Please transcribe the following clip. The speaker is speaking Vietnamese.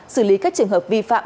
xử lý các trường hợp vi phạm